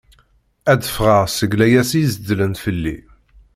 Ad d-ffɣeɣ seg layas i izedlen fell-i.